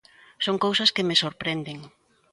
Son cousas que me sorprenden.